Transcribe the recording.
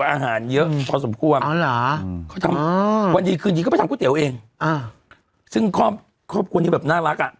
ร้านอาหารของคุณตอลอาหารของคุณตอล